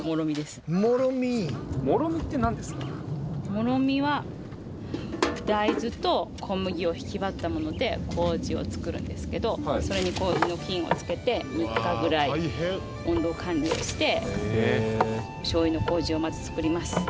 もろみは大豆と小麦をひき割ったもので麹を作るんですけどそれに麹の菌を付けて３日ぐらい温度管理をしてしょうゆの麹をまず作ります。